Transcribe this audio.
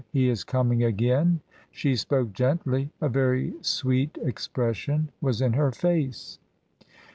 He is coming again." She spoke gently; a very sweet expression was in her face.